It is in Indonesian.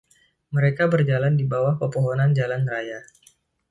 Mereka berjalan di bawah pepohonan jalan raya.